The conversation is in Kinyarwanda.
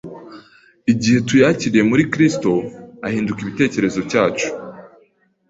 Igihe tuyakiriye muri Kristo ahinduka ibitekerezo cyacu.